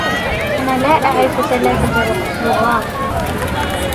أنا لا أعرف ثلاثة لغات.